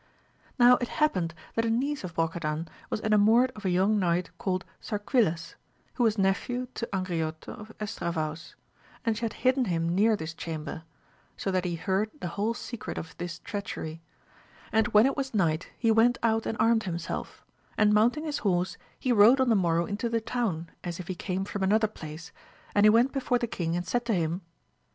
Now it happened that a niece of Brocadan was enamoured of a young knight called Sarquiles, who was nephew to Angriote of Estravaus, and she had hidden him near this chamber, so that he heard the whole secret of this treachery ; and when it was night he went out and armed himself, and mounting his horse he rode on the morrow into the town as if he came from another place, and he went before the king and said to him.